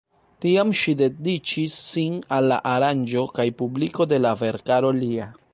Tiam ŝi dediĉis sin al la aranĝo kaj publiko de la verkaro lia.